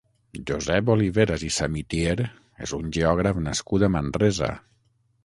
Josep Oliveras i Samitier és un geògraf nascut a Manresa.